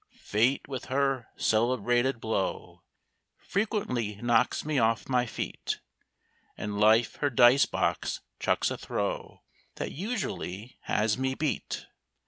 Fate with her celebrated blow Frequently knocks me off my feet; And Life her dice box chucks a throw That usually has me beat.